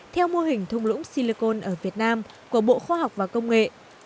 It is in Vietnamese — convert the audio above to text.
theo mô hình thung lũng silicon ở việt nam của bộ khoa học và công nghệ